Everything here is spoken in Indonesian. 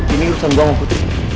ini urusan gue sama putri